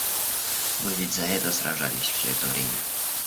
Вы ведь за это сражались все это время?